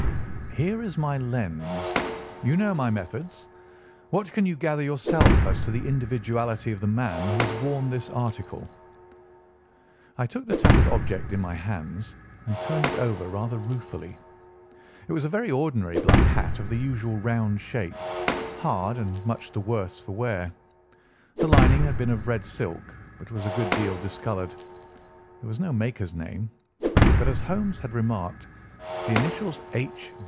"Here is my lens. You know my methods. What can you gather yourself as to the individuality of the man who has worn this article?" I took the tattered object in my hands and turned it over rather ruefully. It was a very ordinary black hat of the usual round shape, hard and much the worse for wear. The lining had been of red silk, but was a good deal discoloured. There was no maker's name; but, as Holmes had remarked, the initials "H.